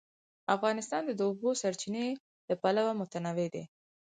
افغانستان د د اوبو سرچینې له پلوه متنوع دی.